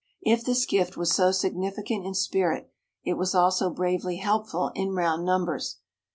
If this gift was so significant in spirit, it was also bravely helpful in round numbers.